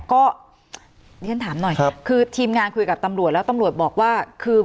ก็เดี๋ยวฉันถามหน่อยคือทีมงานคุยกับตำรวจแล้วตำรวจบอกว่าคือ